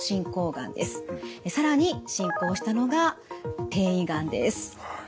更に進行したのが転移がんです。